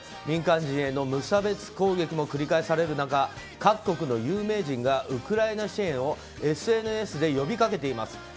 民間人への無差別攻撃も繰り返される中各国の有名人がウクライナ支援をＳＮＳで呼びかけています。